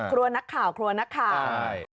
กลัวนักข่าวกลัวนักข่าว